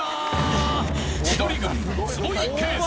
千鳥軍、坪井慶介